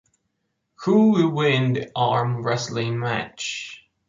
Who will win the arm wrestling match?